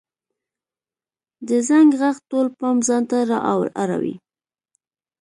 د زنګ ږغ ټول پام ځانته را اړوي.